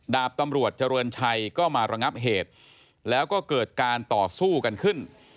ดาบตำรวจเจริญชัยก็มาระงับเหตุแล้วก็เกิดการต่อสู้กันขึ้น